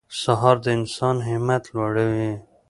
سهار د انسان همت لوړوي.